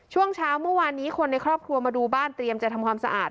ช่วงเช้าเมื่อวานนี้คนในครอบครัวมาดูบ้านเตรียมจะทำความสะอาด